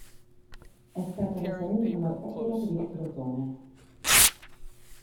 È stata la sua unica marcatura per il Crotone.